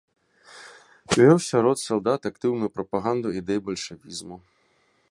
Вёў сярод салдат актыўную прапаганду ідэй бальшавізму.